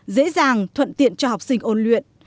dễ dàng thuận tiện cho học sinh ôn luyện